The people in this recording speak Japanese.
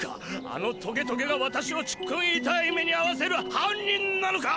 あのトゲトゲが私をちっくんいたーい目にあわせる犯人なのか！